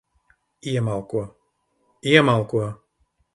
Iemalko. Iemalko.